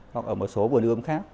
hoặc ở một số vườn ưm khác